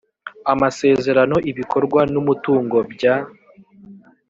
amasezerano ibikorwa n umutungo bya